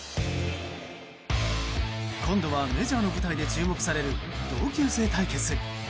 今度は、メジャーの舞台で注目される同級生対決。